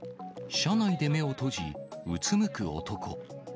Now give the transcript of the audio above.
車内で目を閉じ、うつむく男。